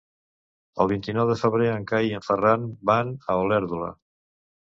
El vint-i-nou de febrer en Cai i en Ferran van a Olèrdola.